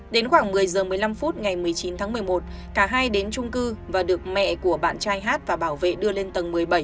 đến khoảng một mươi h một mươi năm phút ngày một mươi chín tháng một mươi một cả hai đến trung cư và được mẹ của bạn trai hát và bảo vệ đưa lên tầng một mươi bảy